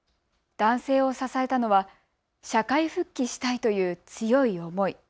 男性を支えたのは社会復帰したいという強い思い。